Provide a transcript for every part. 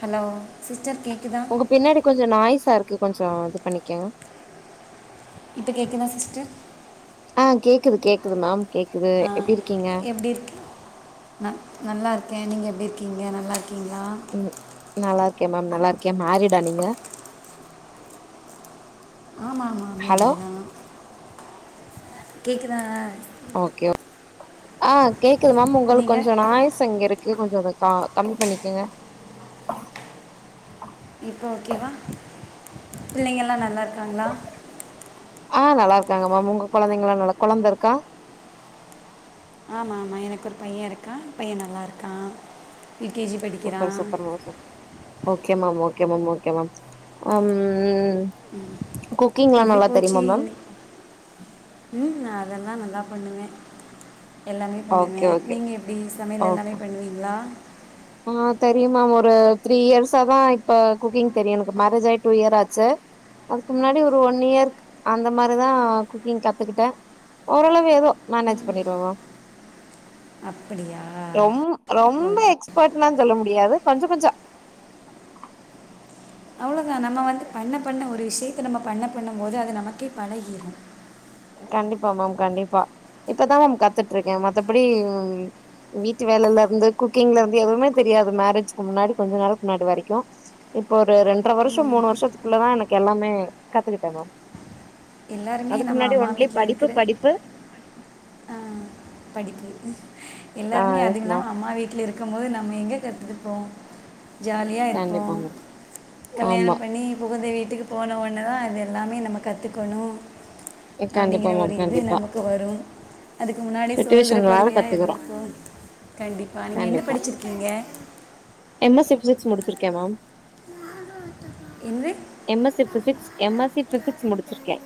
Hello sister கேக்குதா ஒங்க பின்னாடி கொஞ்ச நாய்ஸாருக்கு கொஞ்சொ இது பண்ணிக்கங் இப்ப கேக்குதா சிஸ்டர் அ கேக்குது கேக்குது மேம் கேக்குது எப்டி இருக்கீங்க ந நல்லாருக்கே நீங்க எப்டிருக்கீங்க நல்லாருக்கீங்களா ம் நல்லாருக்கே மேம் நல்லாருக்கே மேரீடா நீங்க ஆமா ஆமா ஹலோ மேரீடுதா கேக்குதா ஓகே அ கேக்குது மேம் ஒங்களுக் நீங்கள் கொஞ்சொ நாய்ஸ் அங்கருக்கு கொஞ்சொ வக் தா கம்மி பண்ணிக்கங்க இப்ப ஓகேவா பிள்ளைங்கலா நல்லாருக்காங்களா ஆ நல்லாருக்காங்க மேம் ஒங்க கொழந்தைங்களா நல்லா கொழந்தருக்கா ஆமா ஆமா எனக்கொரு பைய இருக்கா பைய நல்லாருக்கா ப்ரீ கே ஜி படிக்கிறா சூப்பர் சூப்பர் மேம் சூப் okay ma'am okay ma'am okay ma'am ம் குக்கிங்லா எப்படி நல்லா போச்சு தெரியுமா மேம் இன்னைக்கு? ம் அதெல்லா நல்லா பண்ணுவ எல்லாமே பண்ணுவ ஓகே ஓகே நீங்க எப் ப்டி சமையல் எல்லாமே பண்ணுவீங்களா அ தெரியு மேம் ஒரு த்ரீ இயர்ஸாதா இப்ப குக்கிங் தெரியு எனக்கு மேரேஜாய் டூ இயர் ஆச்சு அதுக்கு முன்னாடி ஒரு ஒன் இயர்க் அந்த மாரிதா குக்கிங் கத்துக்கிட்ட ஓரளவு எதோ மேனேஜ் பண்ணிருவ மேம் அப்படியா ரொம் ரொம்ப ஓகே எக்ஸ்பர்ட்னா சொல்ல முடியாது கொஞ்ச கொஞ்சொ அவ்வளோதா நம்ம வந்து பண்ண பண்ண ஒரு விஷயத்த நம்ம பண்ண பண்ணம்போது அது நமக்கே பழகிரு கண்டிப்பா மேம் கண்டிப்பா இப்பதா மேம் கத்துட்ருக்கே மத்தபடி வீட்டு வேலைலர்ந்து குக்கிங்லர்ந்து எதுவுமே தெரியாது மேரேஜ்க்கு முன்னாடி கொஞ்ச நாளக் முன்னாடி வரைக்கு இப்ப ஒரு ரெண்ட்ரை வருஷம் மூணு வருஷத்துக்குள்ளதா எனக்கு எல்லாமே கத்துக்கிட்ட மேம் எல்லாருமே அதுக்கு நம்ம முன்னாடி அம்மா ஒன்லி வீட்ல படிப்பு இருக்குற படிப்பு ஆ படிப்பு ஆ எல்லாருமே எஸ் அதுங்கலா மேம் அம்மா வீட்ல இரு க்கும் போது நம்ம எங்க கத்ருப்போ ஜாலியா இருப்போ கண்டிப்பா மேம் கல்யாண ஆமா பண்ணி புகுந்த வீட்டுக்கு போன ஒன்னதா அது எல்லாமே நம்ம கத்துக்கணு கண்டிப்பா அப்டிங்கிற மேம் ஒரு இது கண்டிப்பா நமக்கு வரு அதுக்கு முன்னாடி சுதந்திர சுச்சுவேஷன் வேற பறவையா கத்துக்குறோ இருந்திருப்போ கண்டிப்பா நீங்க என்ன படிச்சிருக்கீங்க என்ன சப்ஜெட்ஸ் முடிச்சிருக்கே மேம் என்னது M S C physics M S C physics முடிச்சிருக்கே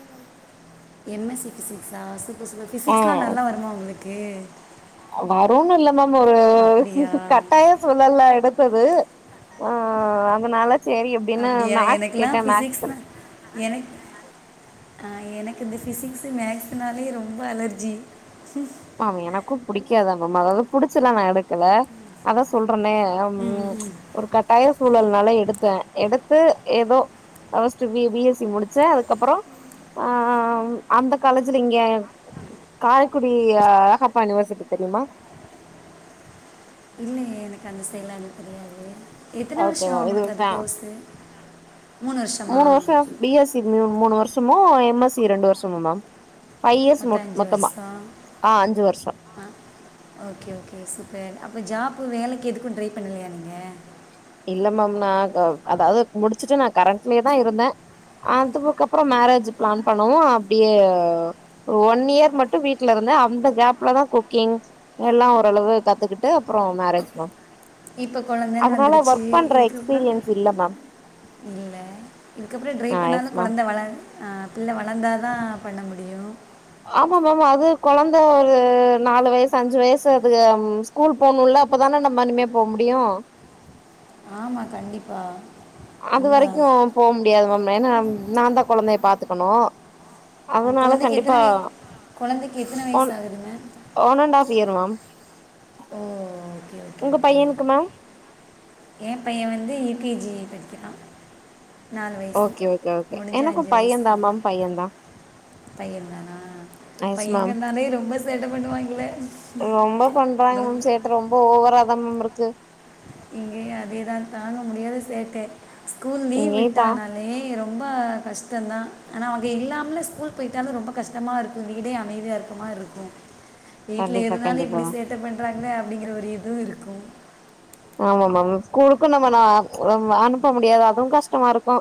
எம் எஸ் சி ஃபிசிக்ஸா சூப்பர் சூப்பர் ஆ ஃபிசிக்ஸ்லா நல்லா வருமா ஒங்ளுக்கு வரூனு இல்ல மேம் ஒரு கட்டாய த்துல்லால எடுத்தது அ அதுனால சேரி எப்டினா மேக்ஸ் கேட்ட மேக்ஸ் கெடைக் அப்ப எனக் அ எனக்கு இந்த ஃபிசிக்ஸு மேக்ஸுனாலே ரொம்ப அலர்ஜி மேம் எனக்கு புடிக்காதுதா மேம் அதாவது புடிச்சுலா நா எடுக்கல அதா சொல்றனே கம்மி ஒரு கட்டாய சூழல்னால எடுத்த எடுத்து ஏதோ அ first B B S C முடிச்ச அதுக்கப்பறோ அ அ அ ம் அந்த காலேஜ்ல இங்க காரைக்குடி இ அ அழகப்பா யூனிவசிட்டி தெரியுமா இல்லயே எனக்கு அந்த சைடுல்லா எனக்கு தெரியாதே எத்தன ஓகே வருஷோ மேம் இது உங்களுக்கு அது ஃபே கோர்ஸு மூணு வருஷமா பி எஸ் சி மூ மூணு வருஷமு எம் எஸ் சி ரெண்டு வருஷமு மேம் ஃபை இயர்ஸ் மொத்தம் மொத் மொத்தமா அ அஞ்சு வருஷோ அ ஓகே ஓகே சூப்பர் அப்ப ஜாப்பு வேலைக்கு எதுக்கு ட்ரை பண்ணலையா நீங்க இல்ல மேம் நா கவ் அதாவது முடிச்சுட்டு நா கரண்ட்லயே தா இருந்தே அதுவுக்கு அப்றோ மேரேஜ்ஜு பிளான் பண்ணவு அப்டியே ஒன் இயர் மட்டு வீட்ல இருந்தே அந்த கேப்லதா குக்கிங் எல்லா ஓரளவு கத்துக்கிட்டு அப்றோ மேரேஜ் மேம் இப்ப கொழந்தன்னு அதனால வந்துருச்சு ஒர்க் பண்ற இதுக்கப்றோ எக்ஸ்பீரியன்ஸ் இல்ல மேம் இல்ல இதுக்கப்றோ ட்ரை ஆ பண்ணாலு எஸ் மேம் கொழந்த வள அ பிள்ள வளந்தாதா பண்ண முடியு ஆமா மேம் அது கொழந்த ஒரு நாலு வயசு அஞ்சு வயசு அதுக ம் ஸ் கூல் போனுல்ல அப்பதான நம்ம இனிமே போ முடியு ஆமா கண்டிப்பா அது வரைக்கு போ முடியாது மேம் ஏனா நா தா கொழந்தைய பாத்துக்கனோ ம் கொழந்தைக்கு எத்தன வய் கொழந்தைக்கு எத்தன வயசு ஒன் ஆகுதுங்க one and half year ma'am ஓ ஓகே உங்க பையனுக்கு மேம் எ பையே வந்து யூ கே ஜி படிக்கிறா நாலு வயசு ஓகே ஓகே ஓகே முடிஞ்சு எனக்கு அஞ்சு வயசு பையன் தா மேம் பையன் தா பையந்தானா எஸ் மேம் பையேங்கனாலேயு ரொம்ப சேட்ட பண்ணுவாய்ங்களே ரொம்ப பண்றாங்க மேம் உங்களுக்கு சேட்ட ரொம்ப ஓவரா தா மேம் இருக்கு இங்கயு அதேதா தாங்க முடியாத சேட்ட ஸ்கூல் லீவ் இங்கேயுதா விட்டானா லே ரொம்ப கஷ்டந்தா ஆனா அவுங்க இல்லாமலு ஸ்கூல் போய்ட்டாலு ரொம்ப கஷ்டமா இருக்கு வீடே அமைதியா இருக் க மா ருக்கு வீட்ல கண்டிப்பா இருந்தாலு கண்டிப்பா இப்டி சேட்டப் பண்றாங்ளே அப்டிங்ற ஒரு இதுவு இருக்கு ஆமா மேம் ஸ்கூலுக்கு நம்ம ந அனுப்ப முடியாது அதுவு கஷ்டமாருக்கு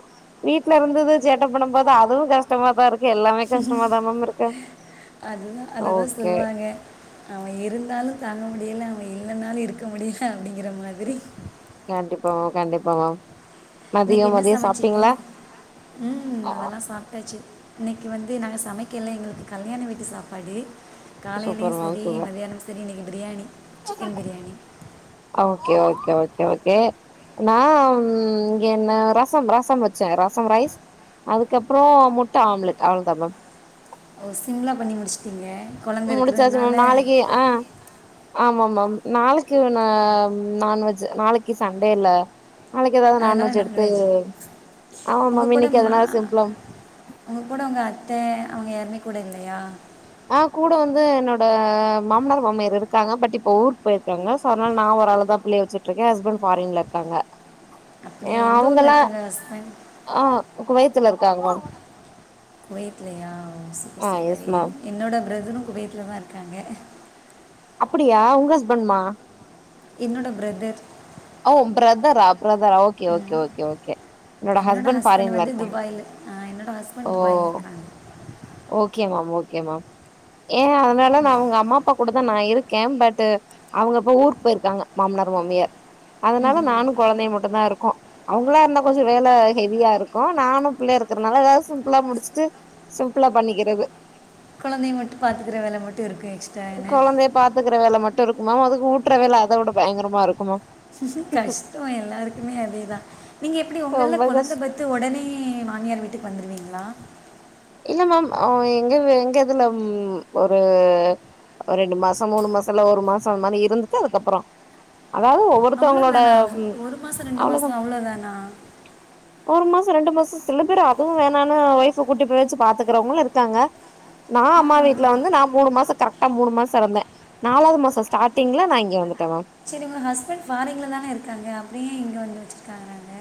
வீட்லருந்தது சேட்ட பண்ணு போது அதுவு கஷ்டமா தா இருக் கு எல்லாமே கஷ்டமா தா மேம் இருக்கு ஓகே அவ இருந்தாலு தாங்க முடியல அவ இல்லன்னாலு இருக்க முடில அப்டிங்குற மாதிரி கண்டிப்பா மேம் கண்டிப்பா மேம் மதியோ இன்னக்கி என்ன மதியோ சமச்சிங்க சாப்ட்டீங்களா ம் அதெல்லா சாப்ட்டாச்சி இன்னக்கி வந்து நாங்க சமைக்கல எங்களுக்கு கல்யாண வீட்டு சாப்பாடு காலைலயு சூப்பர் மேம் செரி சூப்பர் மதியானமு சக் செரி இன்னிக்கு பிரியாணி சிக்கன் பிரியாணி அ ஓகே ஓகே ஓகே ஓகே நா ம் இங்க என்ன ரசம் ரசம் வச்சே ரசம் ரைஸ் அதுக்கப்றோ முட்ட ஆம்லெட் அவ்ளோ தா மேம் ஓ சிம்ளா பண்ணி முடிச்சுட்டிங்க முடிச்சாச்சு மேம் நாளைக்கி அ ஆமா மேம் நாளைக்கி இவன்ன ம் நான்வெஜ்ஜு நாளைக்கி சன்டே ல நாளைக்கி எதாது நான்வெஜ் எடுத்து ஆமா மேம் இன்னிக்கி அதனால சிம்புளா உங்க கூட உங்க அத்த அவுங்க யாருமே கூட இல்லயா அ கூட வந்து என்னோட மாமனார் மாமியார் இருக்காங்க பட் இப்ப ஊருக்கு போயிருக்காங்க சோ அதனால நா ஒராளு தா பிள்ளைய வச்சுட்டுருக்கே ஹஸ்பன்ட் ஃபாரின்ல இருக்காங்க அப்படியா எ எந்த ஊரில் அவுங்கல்லா இருக்காங்க ஹஸ்பண்ட் ஆ உ குவையத்துல இருக்காங்க மேம் குவெட்லயா செரி ஆ எஸ் சிப்பாரே மேம் என்னோட பிரதரு குவெட்லதா இருக்காங்க அப்டியா உங்க ஹஸ்பண்டுமா என்னோட ப்ரதர் ஓ ப்ரதரா ப்ரதரா ஓகே ஓகே ம் ஓகே ஓகே என்னோட ஹஸ்பண்ட் வந்து துபாய்ல அ என்னோட ஹஸ்பண்ட் துபாய்ல ஓ இருக்காங்க ஓகே மேம் ஓகே மேம் ஏ அதனால நா அவங்க அம்மா அப்பா கூட தா நா இருக்கே பட்டு அவங்க இப்ப ஊருக்கு போயிருக்காங்க மாமனார் மாமியார் அதனால நானு கொழந்தையு மட்டு தா இருக்கோ அவங்களா இருந்தா கொஞ்சோ வேல ஹெவியா இருக்கு நானு பு ள்ளயு இருக்கிறனால ஏதாவது சிம்பிளா முடிச்சுட்டு சிம்பிள் லா பண்ணிக்கிறது கொழந்தைய மட்டு பாத்திக்கற வேல மட்டு இருக்கு கொழந்தைய பாத்துக்கற வேல மட்டு இருக்கு மேம் அதுக்கு ஊட்டுற வேல அத விட பயங்கரமா இருக்கு மேம் கஷ்டோ எல்லாருக்குமே அதேதா நீங்க எப்டி ஒங்கள்ள ரொம்ப கஷ் கொழந்த பெ த்த ஒடனே மாமியார் வீட்டுக்கு வந்துருவீங்களா இல்ல மேம் எங்க எங்க இதுல ஒரு ஒரு ரெண்டு மாசோ மூணு மாசோ இல்ல ஒரு மாசோ அது மாரி இருந்துட்டு அதுக்கப்பறோ அதாவது ஒவ்வொருத்தவங்களோட அவ்வளோதானா ஒரு மாதம் ரெண்டு அவ்ளோதா மாதம் அவ்வளோதானா ஒரு மாசோ ரெண்டு மாசோ சில பேர் அதுவு வேணான்னு ஒய்ஃப கூட்டி ப்ப வச்சு பாத்துக்கறவங்களு இருக்காங்க நா ஆ அம்மா வீட்ல வந்து நா மூணு மாசோ கரெக்டா மூணு மாசோ இருந்தே நாலாவது மாச ஸ்டார்டிங்ல நா இங்க வந்துட்ட மேம் செரி உங்க ஹஸ்பண்ட் ஃபாரிங்ளதானே இருக்காங்க அப்றோ ஏ இங்க வந்து வச்சுருக்காங்க அங்க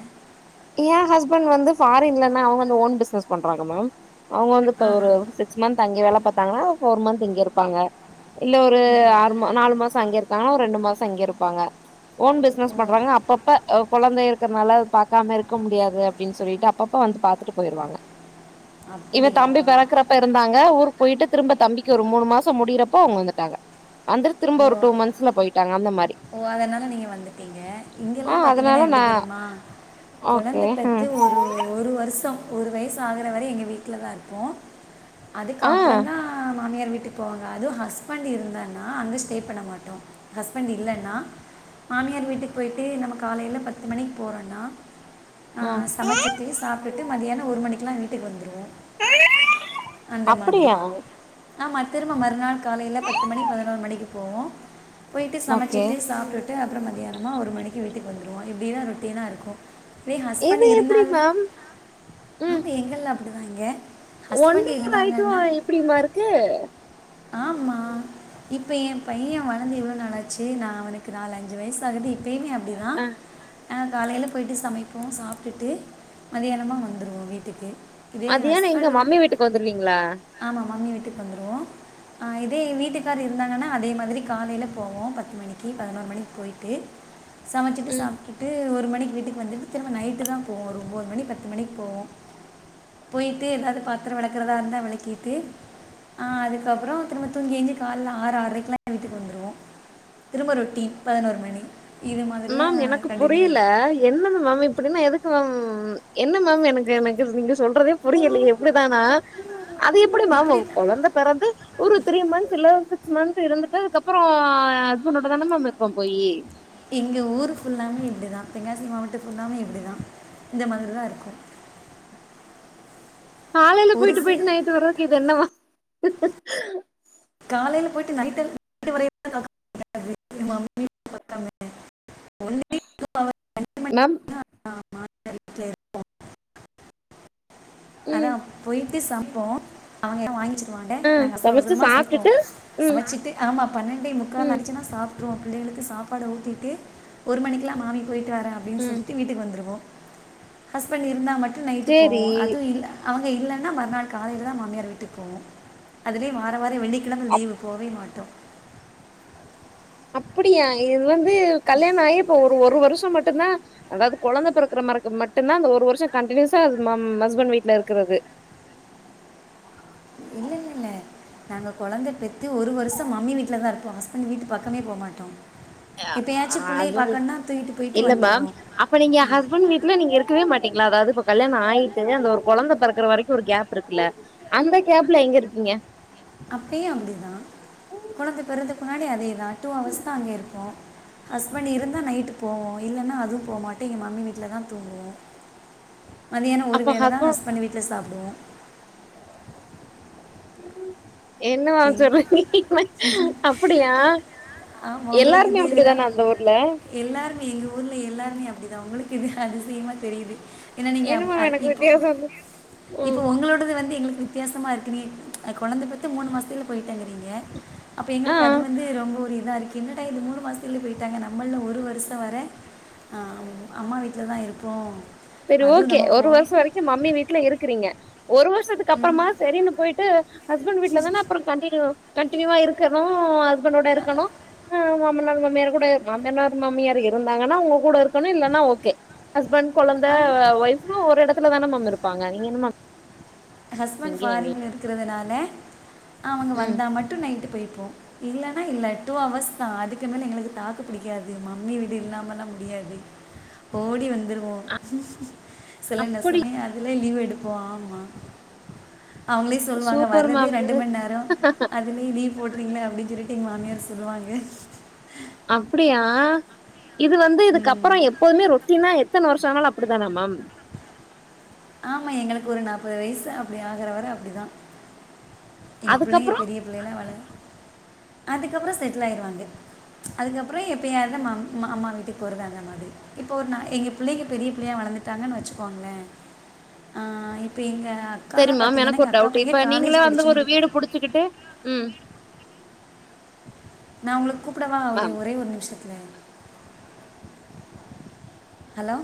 எ ஹஸ்பண்ட் வந்து ஃபாரின்லன்னா அவங்க வந்து ஓன் பிசினஸ் பண்றாங்க மேம் அவங்க வந்து இப்ப ஆஹா ஒரு சிக்ஸ் மந்த் அங்கே வேல பாத்தாங்கன்னா ஃபோர் மந்த் இங்க இருப்பாங்க இல்ல ஒரு ம். ஆறு மா நாலு மாசோ அங்கே இருக்காங்கன்னா ஒரு ரெண்டு மாசோ இங்க இருப்பாங்க ஓன் ஓ பிஸ்னஸ் பண்றாங்க அப்பப்ப கொழந்தை இருக்கறனால க்காம இருக்க முடியாது அப்டின்னு சொல்லிட்டு அப்பப்ப வந்து பாத்துட்டு போயிருவாங்க இவ அப்படியா தம்பி பெறக்கற அப்ப இருந்தாங்க ஊருக்கு போயிட்டு திரும்ப தம்பிக்கு ஒரு மூணு மாசோ முடியிறப்போ அவங்க வந்துட்டாங்க வந்துட்டு திரும்ப ஓ ஒரு டு மன்த்ஸ்ல போயிட்டாங்க அந்த மாரி ஓ அதனால நீங்க வந்துடிங்க இங்கல்லா ஆ பாத்தீங்கன்னா அதனால எப்டி நா தெரியுமா கொழந்த ஓகே பெத்து ம் ஒரு ஒரு வருஷோ ஒரு வயசு ஆகுற வரை எங்க வீட்ல தா இருப்போ அதுக்கு ஆ அப்பறோ தா மாமியார் வீட்டுக் போவாங்க அதுவு ஹஸ்பண்ட் இருந்தான்னா அங்க ஸ்டே பண்ண மாட்டோ ஹஸ்பண்ட் இல்லன் நா மாமியார் வீட்டுக்கு போயிட்டு நம்ம காலையில பத்து மணிக்கு போறோனா ஆ சமச்சிட்டு சாப்பிட்டுட்டு மதியியானோ ஒருமணிகெல்லா வீட்டுக்கு வந்துருவோ அந்த மாதிரி அப்படியா ஆமா திரும்ப மறுநாள் காலையையில பத்து மணி பதினொரு மணிக்கு போவோ போயிட்டு சம ஓகே சாப்டுட்டு அப்றோ மத்தியானமா ஒரு மணி வீட்டுக்கு வந்துடுவோ இப்டிதா ரொட்டினா இருக்கோ வே ஹஸ்பண்ட் இது எப்டி இருந்தாலும் மேம் ஆமா எங்கல்ல அப்பிடிதா இங்க ஒன்டே ரைட்டு இப்டியுமா இருக்கு ஆமா இப்ப எ பைய வளந்து எவ்ளோ நாள் ஆச்சு செரி நா அவனுக்கு நாலு அஞ்சு வயசு ஆகுது இப்பமே அப்டிதா அ ஆ காலையில போய்ட்டு சமைப்போ சாப்பிடுட்டு மதியானம வந்துடுவோ வீட்டுக்கு இதே மத்தியானோ எங்க மம்மி வீட்டுக்கு வந்துருவீங்களா ஆமா மம்மி வீட்டுக்கு வந்துருவோ ஆ இதே வீட்டுக்கார் இருந்தாங்கன்னா அதே மாதிரி காலையில போவோ பத் பத்து மணிக்கு பதினோரு மணிக்கு போய்ட்டு சமைச்சிட்டு ம் சாப் ட்டு ஒரு மணிக்கு வீட்டுக்கு வந்துட்டு திரும்ப நைட்டு தா போவோ ஒரு ஒம்பது மணி பத்து மணிக்கு போவோ பொய்ட்டு ஏதாது பாத்திர வெளக்குறதா இருந்தா வெளக்கிட்டு ஆ அதுக்கப்பற திரம்ப தூங்கீஏஞ்சி கால்ல ஆறு ஆரைக்குல எ வீட்டுக்கு வந்துருவோ திரும்ப ரொட்டீன் பதினோரு மணி இது மாரிதா கண்டின்யூ ஆய்ட்ருக் என்னன்ன மேம் இப்டின்னா எதுக்கு மேம் என்ன மேம் எனக்கு எனக்கு நீங்க சொல்றதே புரியிலயே இப்டிதானா அது எப்டிமேம் உ இப்படி தான் கொழந்த பெறந்து ஒரு த்ரீ மந்த்ஸ் இல்ல சிக்ஸ் மந்த் இருந்துட்டு அதுக்கப்பற ஹஸ்பண்டோடதன மேம் இருப்பபோயி இங்க ஊருஃபுல்லாமே இப்டிதா தெங்காசி மாவட்ட ஃபுல்லாமே இப்டிதா இந்தமாரி தாஇர்க்கூ காலைல ஒரு பொயிட்டு சில பொயிட்டு நைட்டு வர்றதுக்கு இது என்னவ காலையில போய்ட்டு நைட்டு எதுக் நைட்டுவரயே பார்க்காம ஒன்லி டூ ஹவர் ரெண்டு மணி மேம் தான் மாநில வீட்டில் இருப்போம் அதா ம் போயிட்டு சம்ப்போ அவங்க எல்லா வாங்கிச்சு வாண்ட ம் நாங்க அவசர சமைச்சு அவசரமா சமப்போ சாப்ட்டுட்டு ம் சமைச்சிட்டு ஆம்மா பன்னெண்டை முக்கால் ம் அடிச்சுன்னா சாப்பிட அப்ரொ பிள்ளைகளுக்கு சாப்பாடு ஊத்திட்டு ஒரு மணிக்ல்லா மாவி பொயிட்டுவர அப்டின்னு ம் சொல்லிட்டு வீட்டுக்கு வந்துருவோ ஹஸ்பண் இருந்தா மட்டு நைட்டு போவோ சரி. அது இல்ல அவுங்க இல்லன்னா மறுநாள் காலைலதா மாமியார் வீட்டுக்கு போவோ அதுலே வார வார வெள்ளிக்கிழம அப் லீவு போவே மாட்டோ அப்புடியா இது வந்து கல்யாணஆயி இப்ப ஒரு ஒரு வருஷமட்டுந்தா அதாவ்து கொழந்த பிறக்கற மரக்கு மட்டுந்தா அந்த ஒரு வருஷ கண்டடின்யூஸா அது மாம் ஹஸ்பண்ட் வீட்ல இருக்கறது இல்லலல் இல்ல நாங்க கொழந்த பெத்து ஒரு வருஷொ மம்மி வீட்டில தா இருப்போ ஹஸ்பண் வீட்டு பக்கமே போமாட்டோ ஆ ஹஸ்பண்ட் வீட் தூக்கிட்டு போயிட்டு இல்ல மேம் வந்துடுவோம் அப்ப நீங்க ஆ ஹஸ்பண் வீட் ல நீங்க இருக்கவே மாட்டீங்களா அதாவ்து இப்ப கல்யாண ஆயிட்டு அந்த ஒர் கொழந்த பிறக்கற வரைக்கு ஒரு கேப் இருக்குல்ல அந்த கேப்ல எங்கருப்பீங்க அப்பயு அப்டிதா கொழந்த பெறதுக்கு முன்னாடி அதேதா டூ அஹவர்ஸ் தா அங்கேருப்போ ஹஸ்பண்ட் இருந்தா நைட்டு போவோ இல்லன்னா அது போமாட்டே எங்க மம்மி வீட்லதா தூங்குவே மதியானொ ஒரு வேல தா ஹஸ்பண்ட் வீட்டுல சாப்டுவோ என்ன மேம் சொல்றீ அப்புடியா எல்லார்மே அப்புடிதானா அந்த ஊர்ல்ல எல்லார்மே எங்க ஊர்ல்ல எல்லார்மே அப்டிதா உங்களுக்கு இது அதிசியமா தெரியுது என்னா நீங்க என்ன அப் மேம் அது எனக்கு இப்போ வித்தியாசோ வந்து இப்போ ம் ஒங்களோடது வந்து எங்களுக்கு வித்தியாசமாருக்கு நீ அ கொழந்த பெத்து மூணு மாசத்துல போயிட்டாங்கறீங்க அப்ப ஆ எங்களுக்கு ஆ அது வந்து ரொம்ப ஒரு இதாருக்கு என்னடா இது மூணு மாசத்துலே போயிட்டாங்க நம்மள்ள ஒரு வருஷொவர அ அம்மாவீட்ல தா இருப்போ செரி ஓக்கே ஒரு வருஷ வரைக்கு மம்மி வீட்ல இருக்கிறீங்க ஒரு வருஷத்துக்கு ம். அப்புறமா சரின்னு போய்ட்டு ஹஸ்பண் வீட்லதான அப்புற கண்டினியூ கண்டினியூவா இருக்கணு ஹஸ்பண்டோட ஆ, இருக்கணு ஆ மாமனார் மாமியார் கூட மாமனார் மாமியார் இருந்தாங்கன்னா அவுங்க கூட இருக்கணு இல்லன்னா ஓக்கே ஹஸ்பண் கொழந்த ஆ. ஒய்ஃவ் ஒரு எடத்துல தானமேம் இருப்பாங்க நீங்க என்ன மேம் ஹஸ்பண் இங்கயு ஃப்பாரின் அங்கயு இருக்கிறதுனால அவங்க ம் வந்தா மட்டு நைட்டு பொய்போ இல்லன்னா இல்ல டூ அவஹர்ஸ் தா அதுக்கு மேல எங்களுக்கு தாக்கு பிடிக்காது மம்மி வீடு இல்லாமல்லா முடியாது ஓடி வந்துருவோ சில அப்படி நிசமே அதுலே லீவ் எடுப்போ ஆம்மா அவுங்களே சொல்வாங்க சூப்பர் வரத்தே மேம் ரெண்டு இது மண்நேரொ அதுலியு லீவ் போட்றீங்ளா அப்டின் சொல்லிட்டு எங் மாமியார் சொல்லுவாங்க அப்புடியா இது வந்து இதுக்குப்புற எப்போதுமே ரொட் ட்டீனா எத்தன வர்ஷோ ஆனாலு அப்டிதானா மேம் ஆமா எங்களுக்கு ஒரு நாற்பது வயசு அப்டி ஆகுற வர அப்டிதா எங்க பிள்ளைங்க அதுக்கப்புறோ பெரிய பிள்ளைங்ளா வளர அதுக்கப்பற செட்டில் ஆயிடுவாங்க அதுக்கப்பற எப்பயாத மம் அம்மா வீட்டுக்கு போறது அந்த மாரி இப்ப ஒரு நா எங்க பிள்ளைங்க பெரிய பிள்ளையா வளந்துட்டாங்கன்னு வச்சுக்கோங்ளே ஆ இப்ப எங்க செரி மேம் எனக்கு ஒரு டவுட்டு இப்ப நீங்களே வந்து ஒரு முடி வீடு புடிச்சுக்கிட்டு ம் நா உங்களுக்கு கூப்டவா ஆ ஒரு ஒரே ஒரு நிம்ஷத்தில ஹலோ